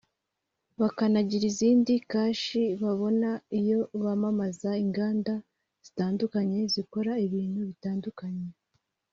bakanagira izindi kashi babona iyo bamamaza inganda zitandukanye zikora ibintu bitandukanye